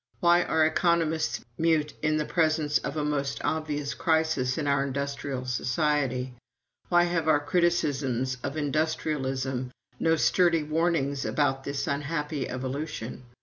Why are economists mute in the presence of a most obvious crisis in our industrial society? Why have our criticisms of industrialism no sturdy warnings about this unhappy evolution?